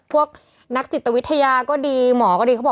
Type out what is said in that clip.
พวกนักจิตวิทยาก็ดีหมอก็ดี